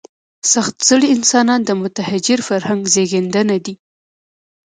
سخت زړي انسانان د متحجر فرهنګ زېږنده دي.